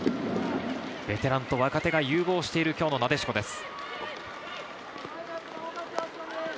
ベテランと若手が融合している今日のなでしこです。